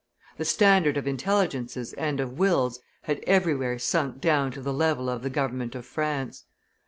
The standard of intelligences and of wills had everywhere sunk down to the level of the government of France.